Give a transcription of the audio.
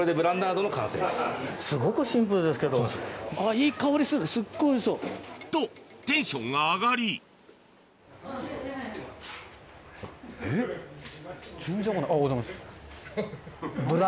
いい香りするすっごいおいしそう！とテンションが上がりえっ全然分かんないあっおはようございます。